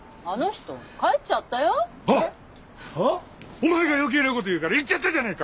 お前が余計な事言うから行っちゃったじゃねえか！